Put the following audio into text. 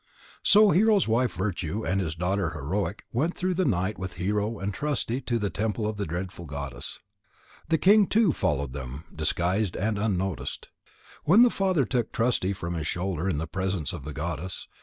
So Hero's wife Virtue and his daughter Heroic went through the night with Hero and Trusty to the temple of the Dreadful Goddess. The king too followed them, disguised and unnoticed. Then the father took Trusty from his shoulder in the presence of the goddess.